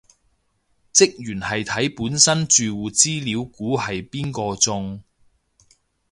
職員係睇本身住戶資料估係邊個中